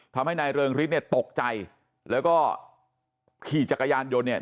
ทำให้นายเริงฤทธิเนี่ยตกใจแล้วก็ขี่จักรยานยนต์เนี่ย